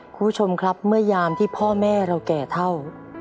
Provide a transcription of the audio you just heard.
คุณผู้ชมครับเมื่อยามที่พ่อแม่เราแก่เท่า